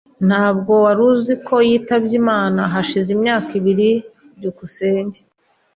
Ntabwo wari uzi ko yitabye Imana hashize imyaka ibiri? byukusenge